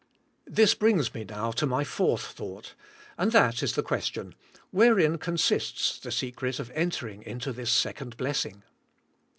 This brings me now to my fourth thought, and that is the question, Wherein consists the secret of entering into this second blessing?